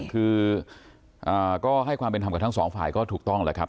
คือก็ให้ความเป็นธรรมกับทั้งสองฝ่ายก็ถูกต้องแหละครับ